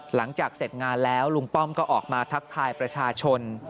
หลังจากเสร็จงานแล้วลุงป้อมก็ออกมาทักทายประชาชน